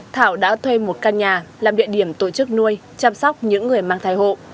thảo đã thuê một căn nhà làm địa điểm tổ chức nuôi chăm sóc những người mang thai hộ